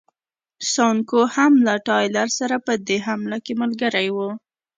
سانکو هم له ټایلر سره په دې حمله کې ملګری و.